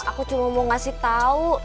aku cuma mau ngasih tau